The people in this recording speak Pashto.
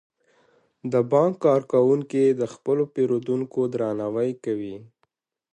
د بانک کارکوونکي د خپلو پیرودونکو درناوی کوي.